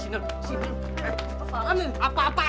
jom anak pak